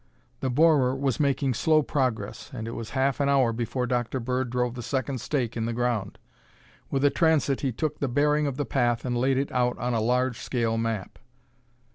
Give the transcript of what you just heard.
The borer was making slow progress, and it was half an hour before Dr. Bird drove the second stake in the ground. With a transit he took the bearing of the path and laid it out on a large scale map.